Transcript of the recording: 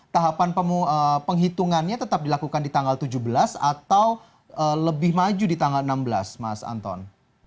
tahapan penghitungannya tetap dilakukan di tanggal tujuh belas atau lebih maju di tanggal enam belas mas anton